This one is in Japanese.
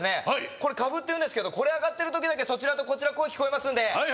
これカフっていうんですけどこれ上がってるときだけそちらとこちら声聞こえますんではい